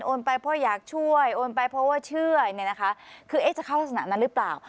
โอนไปเพราะอยากช่วยโอนไปเพราะว่าเชื่อคือจะเข้ารักษณะนั้นหรือเปล่า